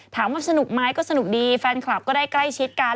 ถามว่าสนุกไหมก็สนุกดีแฟนคลับก็ได้ใกล้ชิดกัน